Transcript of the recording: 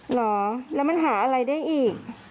เหรอแล้วมันหาอะไรได้อีก